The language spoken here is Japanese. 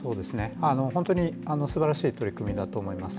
本当にすばらしい取り組みだと思います。